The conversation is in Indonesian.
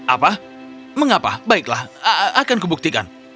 apa mengapa baiklah akan kubuktikan